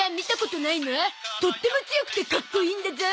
とっても強くてかっこいいんだゾ！